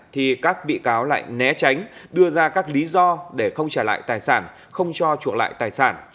thì các bị cáo lại né tránh đưa ra các lý do để không trả lại tài sản không cho trụa lại tài sản